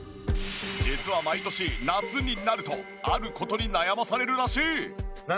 実は毎年夏になるとある事に悩まされるらしい。